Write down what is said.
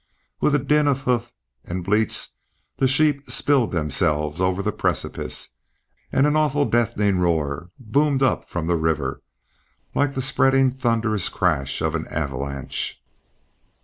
With din of hoofs and bleats the sheep spilled themselves over the precipice, and an awful deafening roar boomed up from the river, like the spreading thunderous crash of an avalanche.